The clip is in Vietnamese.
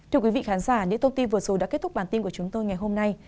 thưa quý vị khán giả những thông tin vừa rồi đã kết thúc bản tin của chúng tôi ngày hôm nay